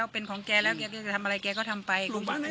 เป็นของแกแล้วแกก็จะทำอะไรแกก็ทำไป